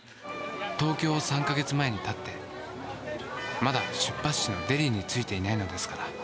東京を３か月前にたってまだ出発地のデリに着いていないのですから